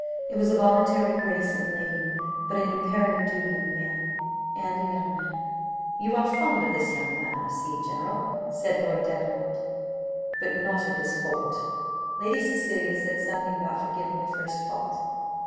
It was a voluntary grace in a lady, but an imperative duty in a man and a young man. "You are fond of this young man, I see general," said Lord Davenant. "But not of his fault." Lady Cecilia said something about forgiving a first fault.